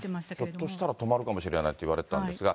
ひょっとしたら止まるかもしれないと言われてたんですが。